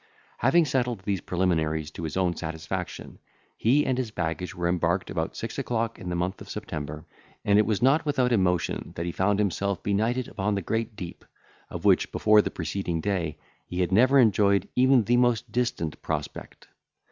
Having settled these preliminaries to his own satisfaction, he and his baggage were embarked about six o'clock in the month of September, and it was not without emotion that he found himself benighted upon the great deep, of which, before the preceding day, he had never enjoyed even the most distant prospect.